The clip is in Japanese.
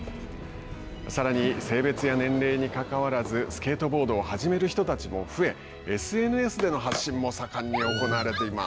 さらに性別や年齢に関わらずスケートボードを始める人たちも増えＳＮＳでの発信も盛んに行われています。